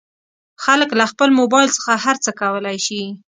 خلک له خپل مبایل څخه هر څه کولی شي.